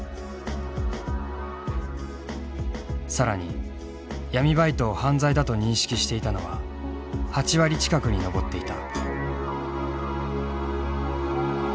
更に闇バイトを犯罪だと認識していたのは８割近くに上っていた。